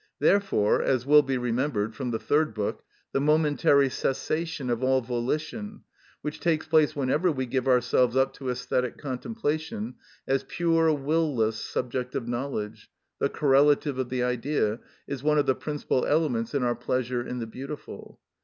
(Therefore, as will be remembered, from the Third Book, the momentary cessation of all volition, which takes place whenever we give ourselves up to æsthetic contemplation, as pure will less subject of knowledge, the correlative of the Idea, is one of the principal elements in our pleasure in the beautiful.)